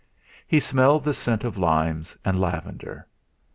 He smelled the scent of limes, and lavender.